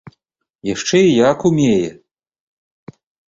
Яшчэ і як умее!